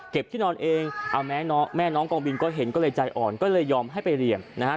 ที่นอนเองเอาแม่น้องกองบินก็เห็นก็เลยใจอ่อนก็เลยยอมให้ไปเรียนนะฮะ